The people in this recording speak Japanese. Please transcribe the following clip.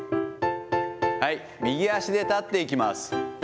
右足で立っていきます。